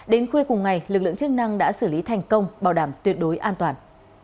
đến khuya cùng ngày lực lượng chức năng đã xử lý thành công bảo đảm tuyệt đối an toàn